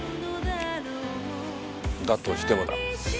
だとしてもだ。